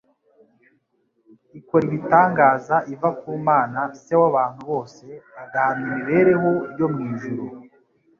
ikora ibitangaza iva ku Mana Se w'abantu bose agahamya imibereho yo mu ijuru;